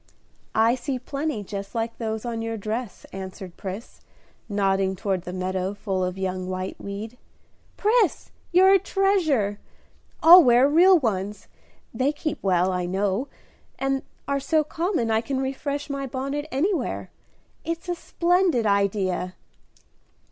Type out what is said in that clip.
"I see plenty just like those on your dress," answered Pris, nodding toward the meadow full of young whiteweed. "Pris, you're a treasure! I'll wear real ones; they keep well, I know, and are so common I can refresh my bonnet anywhere. It's a splendid idea."